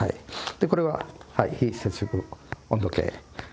これは非接触温度計。